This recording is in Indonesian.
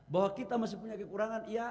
bahwa kita masih punya kekurangan iya